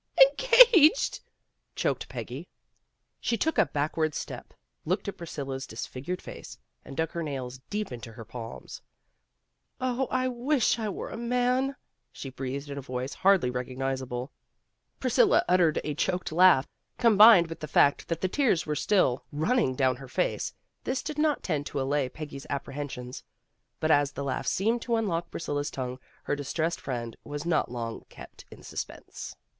"Engaged," choked Peggy. She took a back ward step, looked at Priscilla 's disfigured face, and dug her nails deep into her palms. "Oh, I wish I were a man," she breathed in a voice hardly recognizable. Priscilla uttered a choked laugh. Combined with the fact that the tears were still running 236 PEGGY RAYMOND'S WAY down her face, this did not tend to allay Peggy 's apprehensions. But as the laugh seemed to unlock Priscilla's tongue, her distressed friend was not long kept in suspense.